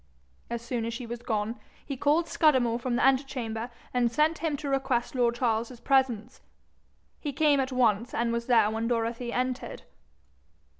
As soon as she was gone, he called Scudamore from the antechamber, and sent him to request lord Charles's presence. He came at once, and was there when Dorothy entered.